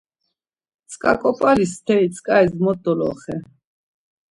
Tzǩar ǩop̌ali steri tzǩaris mo doloxer.